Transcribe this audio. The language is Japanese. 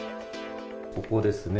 ここですね。